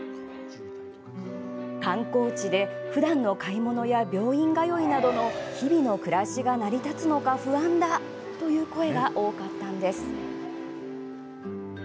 観光地で、ふだんの買い物や病院通いなどの日々の暮らしが成り立つのか不安だという声が多かったんです。